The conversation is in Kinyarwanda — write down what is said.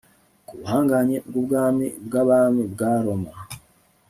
ku buhangange bw' ubwami bw' abami bwa roma